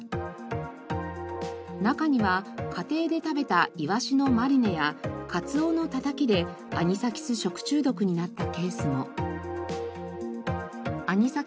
中には家庭で食べたイワシのマリネやカツオのたたきでアニサキス食中毒になったケースも。